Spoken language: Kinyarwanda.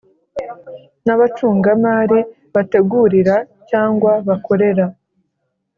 n abacungamari bategurira cyangwa bakorera